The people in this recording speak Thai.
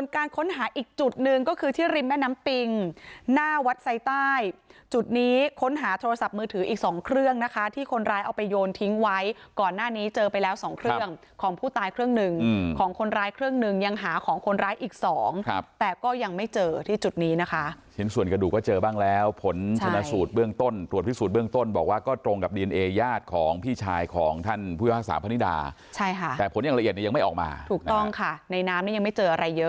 นั่นก็คือที่ริมแม่น้ำปิงหน้าวัดใส่ใต้จุดนี้ค้นหาโทรศัพท์มือถืออีกสองเครื่องนะคะที่คนร้ายเอาไปโยนทิ้งไว้ก่อนหน้านี้เจอไปแล้วสองเครื่องของผู้ตายเครื่องหนึ่งของคนร้ายเครื่องหนึ่งยังหาของคนร้ายอีกสองแต่ก็ยังไม่เจอที่จุดนี้นะคะส่วนกระดูกก็เจอบ้างแล้วผลสนสูตรเบื้องต้นตรวจพิสูจน์เบ